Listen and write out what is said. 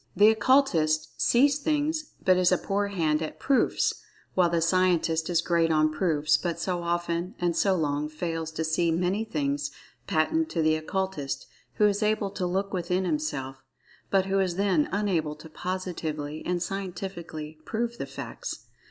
The Occultist "sees things," but is a poor hand at "proofs"—while the Scientist is great on "proofs," but so often, and so long, fails to see many things patent to the Occultist who is able to "look within" himself, but who is then unable to positively and scientifically "prove" the facts.